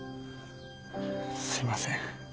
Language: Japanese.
すいません。